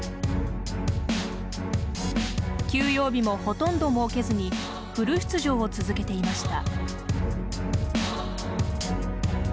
休養日もほとんど設けずにフル出場を続けていました。